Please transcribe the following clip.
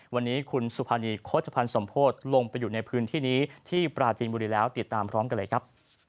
วันนี้คุณสุภานีโฆษภัณฑ์สมโพธิลงไปอยู่ในพื้นที่นี้ที่ปราจีนบุรีแล้วติดตามพร้อมกันเลยครับ